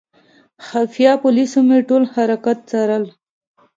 خفیه پولیسو مې ټول حرکات څارل.